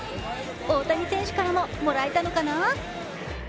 大谷選手からも、もらえたのかな？